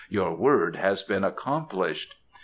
"Your word has been accomplished."